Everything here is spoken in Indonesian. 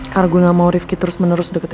karena gue ga mau rikki terus menerus deketin gue